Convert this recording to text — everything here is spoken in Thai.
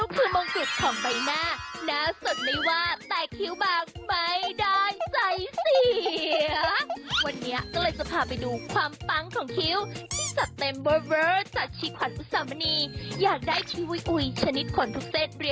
โปรดติดตามตอนต่อไป